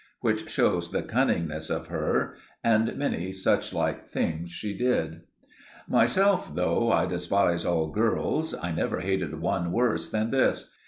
Which shows the cunningness of her. And many suchlike things she did. Myself, though I despise all girls, I never hated one worse than this.